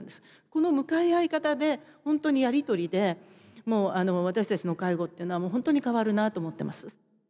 この向かい合い方で本当にやり取りでもう私たちの介護っていうのはもう本当に変わるなと思ってます。